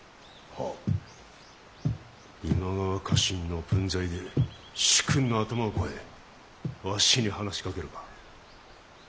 今川家臣の分際で主君の頭を越えわしに話しかけるか。